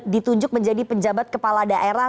ditunjuk menjadi penjabat kepala daerah